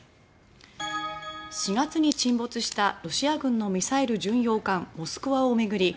４月に沈没したロシア軍のミサイル巡洋艦「モスクワ」を巡り